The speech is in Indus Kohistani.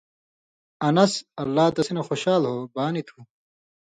انَس (اللہ تسی نہ خوشال ہو) بانیۡ تُھو